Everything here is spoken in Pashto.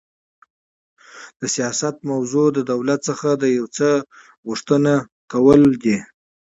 د سیاست موضوع د دولت څخه د یو څه غوښتنه کول دي.